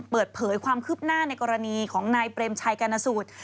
เปิดเผยความคืบหน้าในกรณีของนายเปรมชัยกรณสูตร